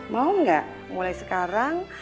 mau gak mulai sekarang